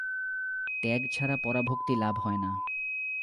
ত্যাগ ছাড়া পরাভক্তি লাভ হয় না।